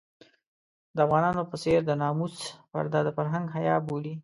د افغانانو په څېر د ناموس پرده د فرهنګ حيا بولي.